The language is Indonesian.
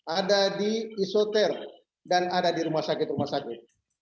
ada di isoter dan ada di rumah sakit rumah sakit